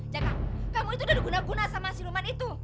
jaka kamu tuh udah diguna guna sama siluman itu